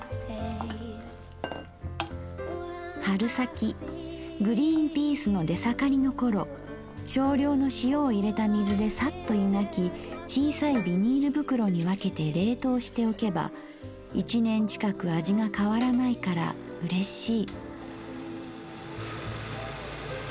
「春先グリーンピースの出盛りの頃少量の塩を入れた水でさっとゆがき小さいビニール袋にわけて冷凍しておけば一年近く味が変わらないから嬉しい」。